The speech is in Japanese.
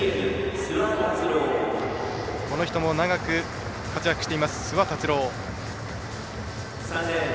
この人も長く活躍しています、諏訪達郎。